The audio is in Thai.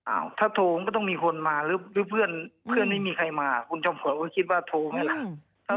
อ้าวถ้าโทรมันก็ต้องมีคนมาหรือเพื่อนไม่มีใครมาคุณจำฝนก็คิดว่าโทรไหมล่ะ